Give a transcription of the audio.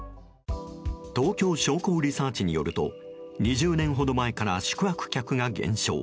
東京商工リサーチによると２０年ほど前から宿泊客が減少。